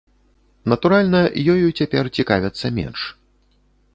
Натуральна, ёю цяпер цікавяцца менш.